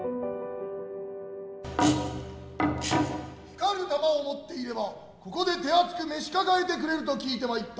光る玉を持っていればここで手厚く召し抱えてくれると聞いて参った。